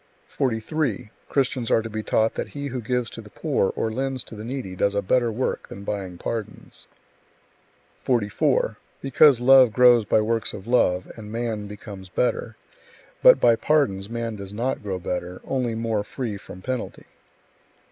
43. Christians are to be taught that he who gives to the poor or lends to the needy does a better work than buying pardons; 44. Because love grows by works of love, and man becomes better; but by pardons man does not grow better, only more free from penalty.